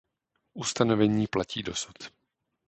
Ustanovení platí dosud.